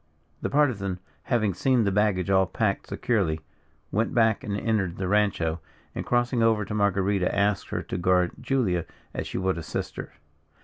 The Partisan, having seen the baggage all packed securely, went back and entered the rancho, and crossing over to Marguerita asked her to guard Julia as she would a sister.